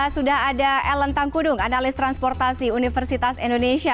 sudah ada ellen tangkudung analis transportasi universitas indonesia